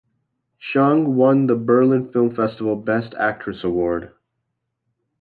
Cheung won the Berlin Film Festival Best Actress award.